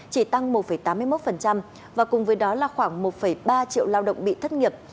chỉ tăng một tám mươi một và cùng với đó là khoảng một ba triệu lao động bị thất nghiệp